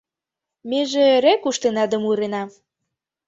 Меже эре куштена да мурена